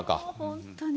本当に。